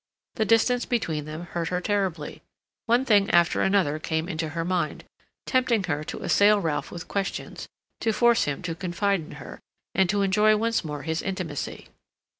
The distance between them hurt her terribly; one thing after another came into her mind, tempting her to assail Ralph with questions, to force him to confide in her, and to enjoy once more his intimacy.